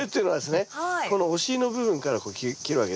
このお尻の部分からこう切るわけですね。